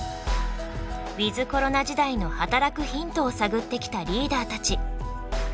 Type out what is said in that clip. ウィズコロナ時代の働くヒントを探ってきたリーダーたち。